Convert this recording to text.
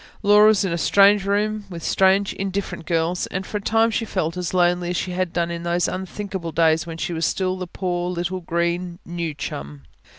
Laura was in a strange room, with strange, indifferent girls; and for a time she felt as lonely as she had done in those unthinkable days when she was still the poor little green "new chum".